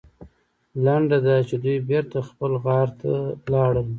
لنډه دا چې دوی بېرته خپل غار ته لاړل.